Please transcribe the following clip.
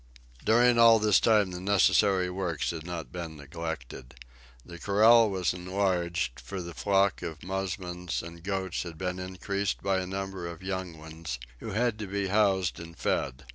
During all this time the necessary works had not been neglected. The corral was enlarged, for the flock of musmons and goats had been increased by a number of young ones, who had to be housed and fed.